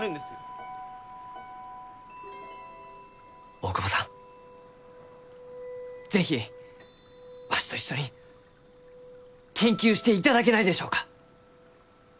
大窪さん是非わしと一緒に研究していただけないでしょうか？